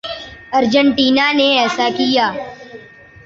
Argentina نے ایسا کیا۔